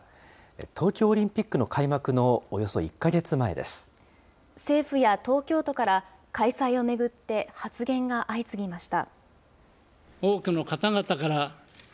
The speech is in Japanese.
東京オリンピックの開幕のおよそ政府や東京都から、開催を巡って発言が相次ぎました。